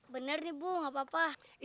benar nih bu gak apa apa